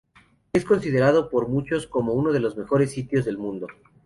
Es considerado por muchos como uno de los mejores sitios del mundo.